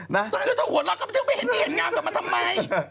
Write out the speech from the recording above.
ได้แล้วถ้าหัวเราะก็ไม่เท่าเป็นนี่เห็นงามต่อมาทำไม